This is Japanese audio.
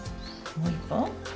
もう一本。